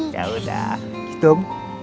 yaudah gitu om